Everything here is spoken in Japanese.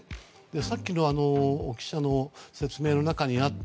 さっきの記者の説明の中にあった